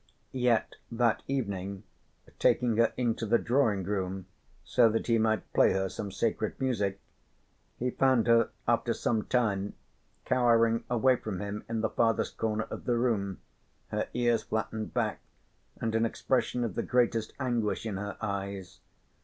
Yet that evening, taking her into the drawing room so that he might play her some sacred music, he found her after some time cowering away from him in the farthest corner of the room, her ears flattened back and an expression of the greatest anguish in her eyes.